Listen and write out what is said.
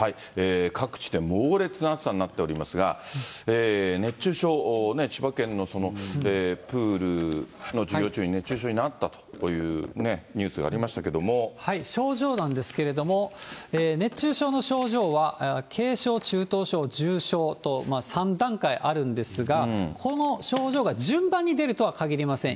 各地で猛烈な暑さになっておりますが、熱中症、千葉県のプールの授業中に熱中症になったというニュースがありま症状なんですけれども、熱中症の症状は軽症、中等症、重症と３段階あるんですが、この症状が順番に出るとはかぎりません。